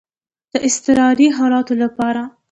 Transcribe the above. د اضطراري حالاتو لپاره.